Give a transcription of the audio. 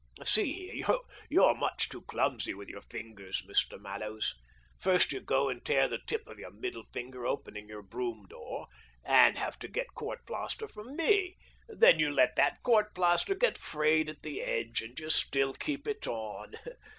See here — you're much too clumsy with your fingers, Mr. Mallows. First you go and tear the tip of your middle finger opening your brougham door, and have to get court plaster from me. Then you let that court plaster get frayed at the edge, and you still keep it on.